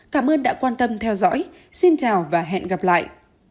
cảm ơn đã quan tâm theo dõi xin chào và hẹn gặp lại